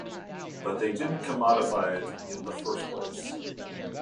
But they didn't commodify it in the first place.